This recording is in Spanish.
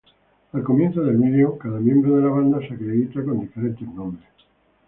Al comienzo del video, cada miembro de la banda se acredita con diferentes nombres.